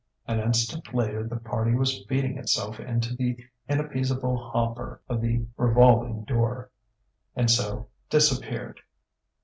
An instant later the party was feeding itself into the inappeasable hopper of the revolving door, and so disappeared.